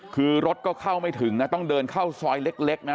คือรถก็เข้าไม่ถึงนะต้องเดินเข้าซอยเล็กนะ